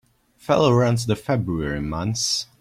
Feller runs the February months.